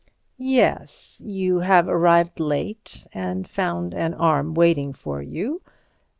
"Yes. You have arrived late and found your arm waiting for you.